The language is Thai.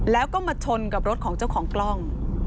แล้วก็มาชนกับรถของเจ้าของกล้อง